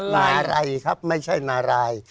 นายไรครับไม่ใช่นาราย